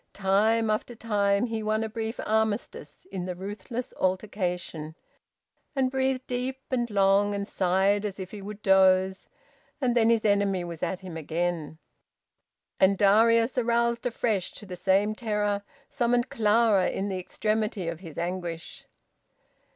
Time after time he won a brief armistice in the ruthless altercation, and breathed deep and long, and sighed as if he would doze, and then his enemy was at him again, and Darius, aroused afresh to the same terror, summoned Clara in the extremity of his anguish.